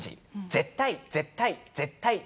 絶対、絶対、絶対！